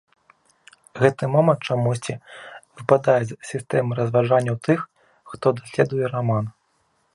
Гэты момант чамусьці выпадае з сістэмы разважанняў тых, хто даследуе раман.